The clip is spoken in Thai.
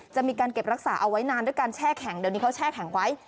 จะมีการเก็บรักษาเอาไว้นานด้วยการแช่แข็งเดี๋ยวนี้เขาแช่แข็งไว้